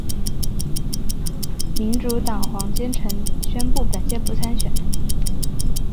民主党黄坚成宣布本届不参选。